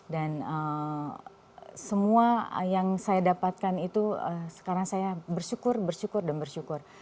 dan semua yang saya dapatkan itu sekarang saya bersyukur bersyukur dan bersyukur